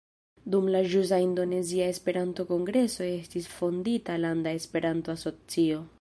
Dum la ĵusa Indonezia Esperanto-kongreso estis fondita landa Esperanto-asocio.